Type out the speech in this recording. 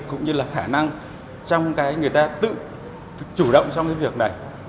cũng như là khả năng trong cái người ta tự chủ động trong cái việc này